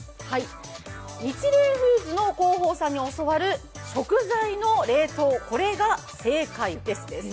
「ニチレイフーズの広報さんに教わる食材の冷凍、これが正解です！」です。